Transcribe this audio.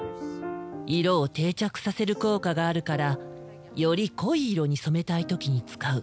色を定着させる効果があるからより濃い色に染めたい時に使う。